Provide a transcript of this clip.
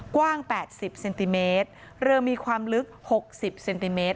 กว้าง๘๐เซนติเมตรเรือมีความลึก๖๐เซนติเมตร